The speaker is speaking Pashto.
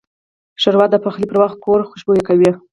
ښوروا د پخلي پر وخت کور خوشبویه کوي.